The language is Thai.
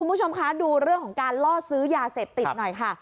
คุณผู้ชมคะดูเรื่องของการล่อซื้อยาเสพติดหน่อยค่ะ